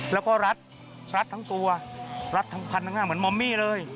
แล้วก็รัดรัดทั้งตัวรัดทั้งพันทั้งหน้าเหมือนมอมมี่เลย